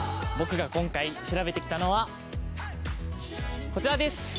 僕が今回調べてきたのはこちらです！